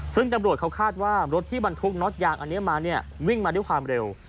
ซึ่งตำรวจเขาคาดว่ารถที่บรรทุกน็อตยางอันนี้มาเนี่ยวิ่งมาด้วยความเร็ว